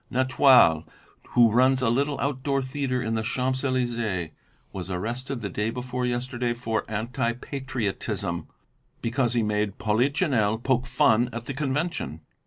Natoile, who runs a little outdoor theatre in the Champs Élysées, was arrested the day before yesterday for anti patriotism, because he made Polichinelle poke fun at the Convention."